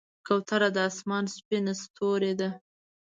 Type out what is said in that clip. کوتره د آسمان سپینه ستورۍ ده.